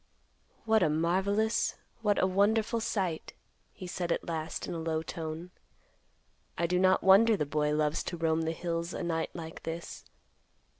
"What a marvelous, what a wonderful sight!" he said at last in a low tone. "I do not wonder the boy loves to roam the hills a night like this.